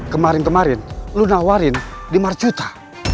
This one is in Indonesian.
kemarin kemarin lu nawarin lima juta